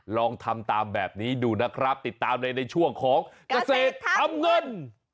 ลองทำตามแบบนี้ดูนะครับติดตามเลยในช่วงของเกษตรทำเงิน